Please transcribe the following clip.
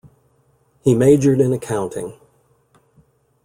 He majored in accounting.